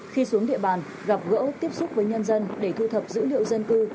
khi xuống địa bàn gặp gỡ tiếp xúc với nhân dân để thu thập dữ liệu dân cư